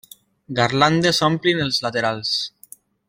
Garlandes omplin els laterals.